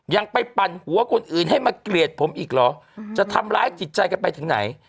ยังไปปั่นหัวคนอื่นให้มาเกลียดผมอีกเหรอจะทำร้ายจิตใจกันไปถึงไหน